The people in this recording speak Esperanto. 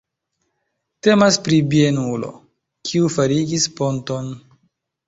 Temas pri bienulo, kiu farigis ponton.